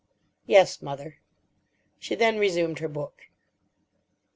"Yes, mother." She then resumed her book.